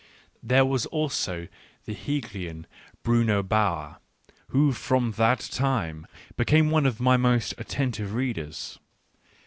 There was also the Hegelian, Bruno Bauer, who from that time became one of my most atten tive readers.